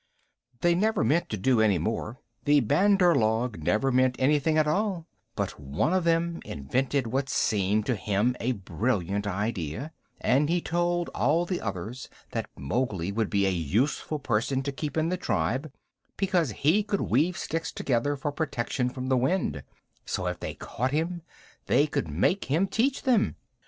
They never meant to do any more the Bandar log never mean anything at all; but one of them invented what seemed to him a brilliant idea, and he told all the others that Mowgli would be a useful person to keep in the tribe, because he could weave sticks together for protection from the wind; so, if they caught him, they could make him teach them.